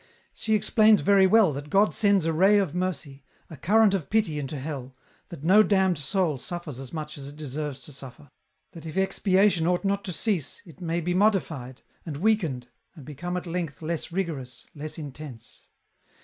She explains very well that God sends a ray of mercy, a current of pity into hell, that no damned soul suffers as much as it deserves to suffer ; that if expiation ought not to cease, it may be modified, and weakened, and become at length less rigorous, less intense.